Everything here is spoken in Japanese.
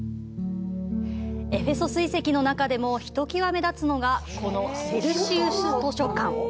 エフェソス遺跡の中でも、ひときわ目立つのが、このセルシウス図書館。